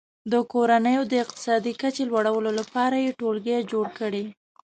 د کورنیو د اقتصادي کچې لوړولو لپاره یې ټولګي جوړ کړي.